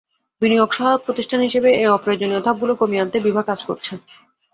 বিনিয়োগ সহায়ক প্রতিষ্ঠান হিসেবে এই অপ্রয়োজনীয় ধাপগুলো কমিয়ে আনতে বিডা কাজ করছে।